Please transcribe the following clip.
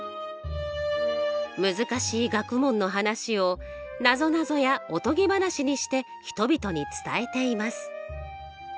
難しい学問の話をなぞなぞやおとぎ話にして人々に伝えています。